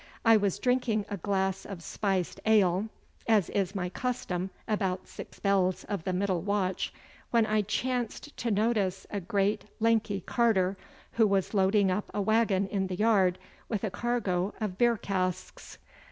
I was drinking a glass of spiced ale, as is my custom about six bells of the middle watch, when I chanced to notice a great lanky carter, who was loading up a waggon in the yard with a cargo o' beer casks.